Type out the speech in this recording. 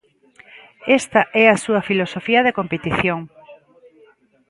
Esta é a súa filosofía de competición.